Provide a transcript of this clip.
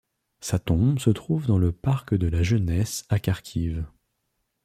Sa tombe se trouve dans Le Parc de la jeunesse à Kharkiv.